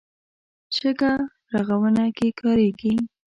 شګه رغونه کې کارېږي.